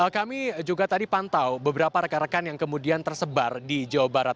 kami juga tadi pantau beberapa rekan rekan yang kemudian tersebar di jawa barat